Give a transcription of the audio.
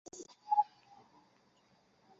干元元年复改漳州。